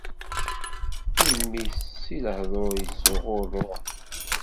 Imi-s si lehdur yettɣurrun.